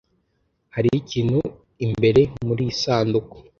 Hariho ikintu imbere muriyi sanduku.